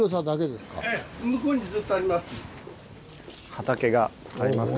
畑がありますね。